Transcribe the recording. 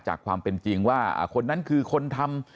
จากความเป็นจริงว่าคนนั้นคือคนทำ